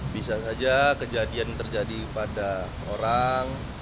bisa saja kejadian terjadi pada orang